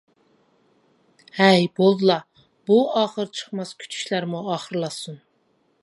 ھەي بولدىلا بۇ ئاخىرى چىقماس كۈتۈشلەرمۇ ئاخىرلاشسۇن.